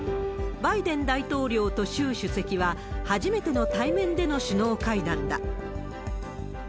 バイデン大統領と習主席は、初めての対面での首脳会談だ。